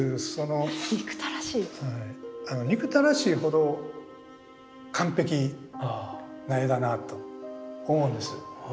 憎たらしいほど完璧な絵だなぁと思うんです。